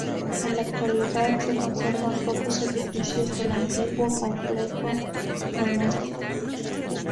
En la actualidad se conservan pocos edificios del antiguo complejo monástico.